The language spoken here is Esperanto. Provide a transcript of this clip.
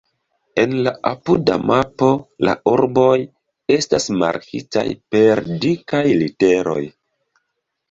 En la apuda mapo la urboj estas markitaj per dikaj literoj.